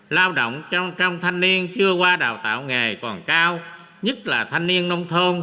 lao động trong thanh niên chưa qua đào tạo nghề còn cao nhất là thanh niên nông thôn